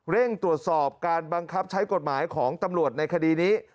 เร่งตรวจสอบการบังคับใช้กฎหมายของตำรวจในคดีนี้